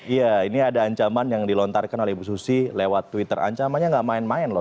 iya ini ada ancaman yang dilontarkan oleh ibu susi lewat twitter ancamannya gak main main loh